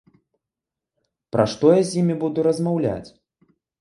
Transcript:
Пра што я з імі буду размаўляць?